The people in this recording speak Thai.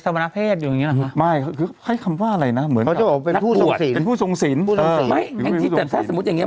พระทิเบสมีเมียได้อะไรอย่างนี้เลยนะ